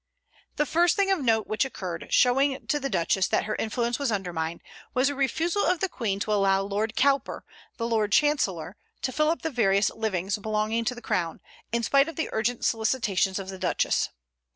The first thing of note which occurred, showing to the Duchess that her influence was undermined, was the refusal of the Queen to allow Lord Cowper, the lord chancellor, to fill up the various livings belonging to the Crown, in spite of the urgent solicitations of the Duchess.